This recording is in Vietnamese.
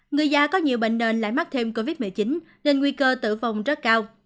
người già có nhiều bệnh nền lại mắc thêm covid một mươi chín nên nguy cơ tử vong rất cao